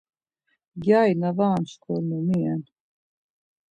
Gyari na var amşkornu mi ren?